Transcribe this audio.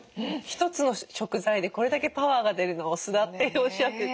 一つの食材でこれだけパワーが出るのはお酢だっておっしゃって。